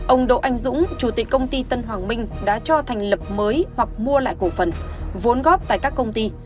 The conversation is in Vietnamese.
ông đỗ anh dũng chủ tịch công ty tân hoàng minh đã cho thành lập mới hoặc mua lại cổ phần vốn góp tại các công ty